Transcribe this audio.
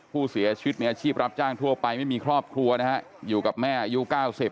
ผู้เสียชีวิตมีอาชีพรับจ้างทั่วไปไม่มีครอบครัวนะฮะอยู่กับแม่อายุ๙๐